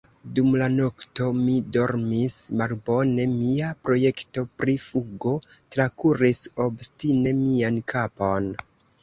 Dum la nokto, mi dormis malbone; mia projekto pri fugo trakuris obstine mian kapon.